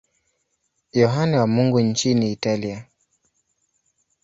Yohane wa Mungu nchini Italia.